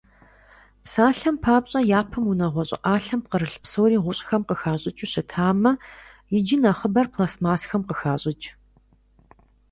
Псалъэм папщӀэ, япэм унагъуэ щӀыӀалъэм пкърылъ псори гъущӀхэм къыхащӀыкӀыу щытамэ, иджы нэхъыбэр пластмассэхэм къыхащӀыкӀ.